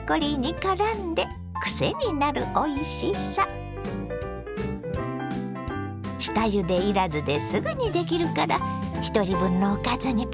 下ゆでいらずですぐにできるからひとり分のおかずにピッタリよ！